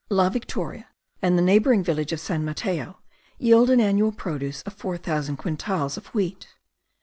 La Victoria and the neighbouring village of San Mateo yield an annual produce of four thousand quintals of wheat.